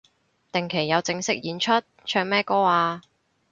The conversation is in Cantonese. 定期有正式演出？唱咩歌啊